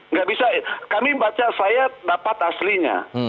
nggak bisa kami baca saya dapat aslinya